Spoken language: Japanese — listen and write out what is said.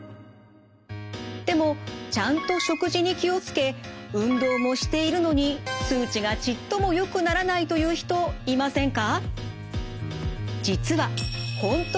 でもちゃんと食事に気を付け運動もしているのに数値がちっともよくならないという人いませんか？